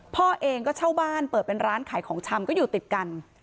พ่อเองก็เช่าบ้านเปิดเป็นร้านขายของชำก็อยู่ติดกัน